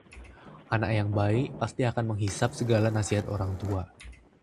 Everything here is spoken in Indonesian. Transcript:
anak yang baik pasti akan menghisab segala nasihat orang tua